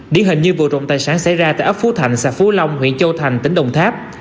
điển hình như vụ trộm tài sản xảy ra tại ấp phú thạnh xã phú long huyện châu thành tỉnh đồng tháp